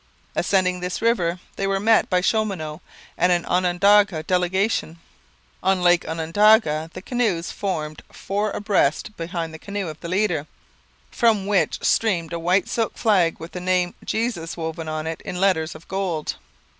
Ascending this river they were met by Chaumonot and an Onondaga delegation. On Lake Onondaga the canoes formed four abreast behind the canoe of the leader, from which streamed a white silk flag with the name Jesus woven on it in letters of gold.